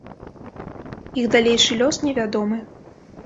Іх далейшы лёс невядомы.